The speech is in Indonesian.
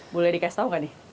boleh dikasih tau gak nih